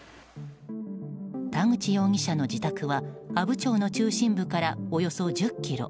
田口容疑者の自宅は阿武町の中心部からおよそ１０ｋｍ。